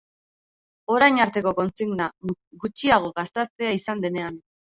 Orain arteko kontsigna gutxiago gastatzea izan denean.